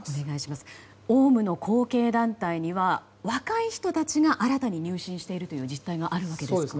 オウムの後継団体には若い人たちが新たに入信している実態があるわけですか。